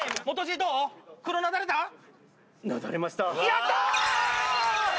やったー！